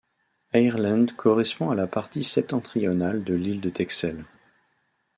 Eierland correspond à la partie septentrionale de l'île de Texel.